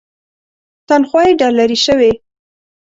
تنخوا یې ډالري شوې.